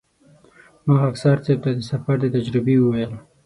ما خاکسار صیب ته د سفر د تجربې وویل.